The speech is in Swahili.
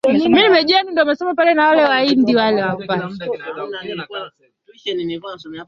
Mifano ya sajili ni kama vile lugha ya hospitalini, shuleni, sajili ya dini, biashara, kisiasa, michezo.